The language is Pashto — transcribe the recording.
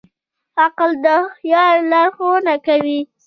عقل د خیال لارښوونه کوي.